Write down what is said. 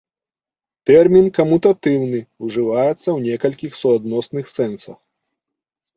Тэрмін камутатыўны ўжываецца ў некалькіх суадносных сэнсах.